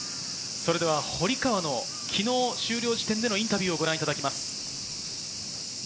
堀川の昨日終了時点でのインタビューをご覧いただきます。